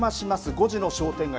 ５時の商店街